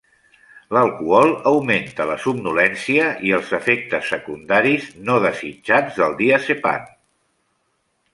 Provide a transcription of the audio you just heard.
L'alcohol augmenta la somnolència i els efectes secundaris no desitjats del diazepam.